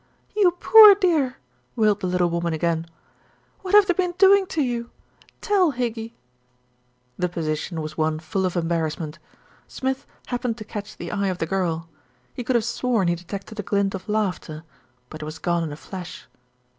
"You poor dear!" wailed the little woman again. "What have they been doing to you? Tell Higgy." S4, THE RETURN OF ALFRED The position was one full of embarrassment. Smith happened to catch the eye of the girl. He could have sworn he detected a glint of laughter; but it was gone in a flash.